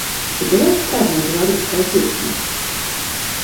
Ці была эстрадная беларуская песня?